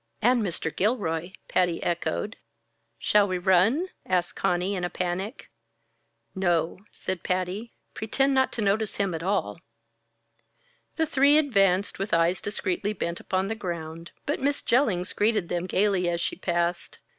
"And Mr. Gilroy," Patty echoed. "Shall we run?" asked Conny, in a panic. "No," said Patty, "pretend not to notice him at all." The three advanced with eyes discreetly bent upon the ground, but Miss Jellings greeted them gaily as she passed.